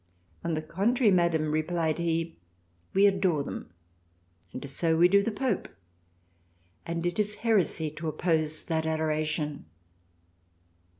On the contrary Madam replied he, we adore them ; and so we do the Pope ; and it is heresy to oppose that Adoration.